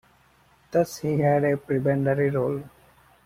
Thus he had a prebendary role.